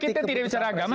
kita tidak bicara agama